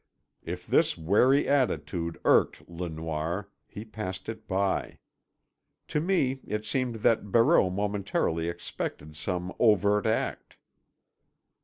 If this wary attitude irked Le Noir he passed it by. To me it seemed that Barreau momentarily expected some overt act.